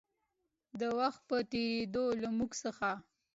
د وخـت پـه تېـرېدو لـه مـوږ څـخـه